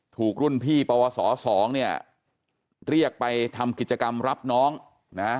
ถูกรุ่นพี่ปวส๒เนี่ยเรียกไปทำกิจกรรมรับน้องนะ